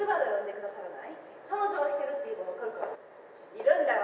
「いるんだろ？